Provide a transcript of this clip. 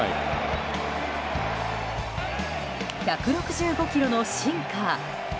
１６５キロのシンカー。